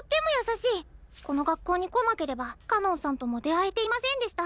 この学校に来なければかのんさんとも出会えていませんでした。